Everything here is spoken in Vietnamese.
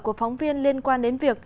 của phóng viên liên quan đến việc